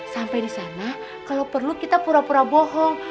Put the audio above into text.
sampai di sana kalau perlu kita pura pura bohong